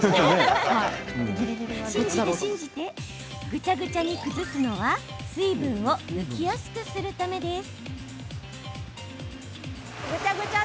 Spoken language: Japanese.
ぐちゃぐちゃに崩すのは水分を抜きやすくするためです。